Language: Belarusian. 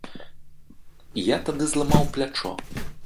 Я тады зламаў плячо!